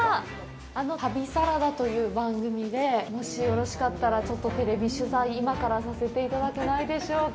旅サラダという番組でもしよろしかったら、ちょっとテレビ取材、今からさせていただけないでしょうか。